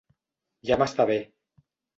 Ja m'està bé.